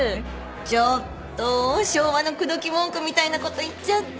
ちょっと昭和の口説き文句みたいなこと言っちゃって。